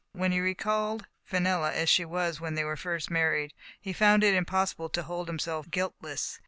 When he recalled Fenella as she was when they were first married, he found it impossible to hold himself guiltless.